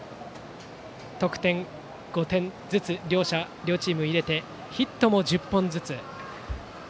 得点５点ずつ両チーム入れてヒットも１０本ずつ。